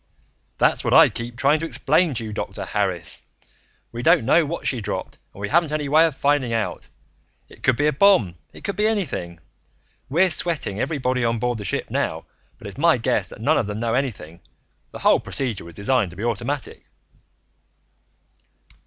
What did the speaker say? "That's what I keep trying to explain to you, Dr. Harris. We don't know what she dropped and we haven't any way of finding out. It could be a bomb it could be anything. We're sweating everybody on board the ship now, but it's my guess that none of them know anything; the whole procedure was designed to be automatic."